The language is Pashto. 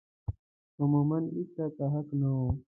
عملاً هېچا ته حق نه و